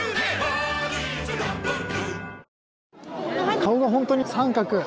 顔が本当に三角。